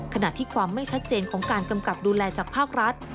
ขณะที่ความไม่ชัดเจนของการกำกับดูแลจากภาครัฐ